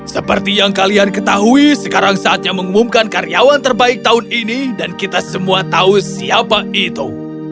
seperti yang kalian ketahui sekarang saatnya mengumumkan karyawan terbaik tahun ini dan kita semua tahu siapa itu